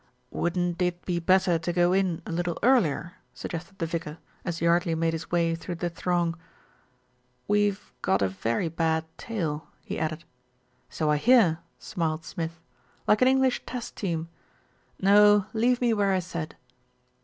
"Wouldn't it be better to go in a little earlier?" sug gested the vicar, as Yardley made his way through the throng. "We've got a very bad tail," he added. "So I hear," smiled Smith. "Like an English Test Team. No, leave me where I said."